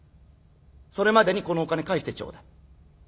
それまでにこのお金返してちょうだい。